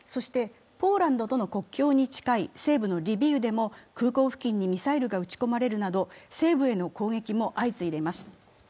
ポーランドとの国境に近い西部のリビウでも空港付近にミサイルが撃ち込まれるなど西部への攻撃も相次いでいます。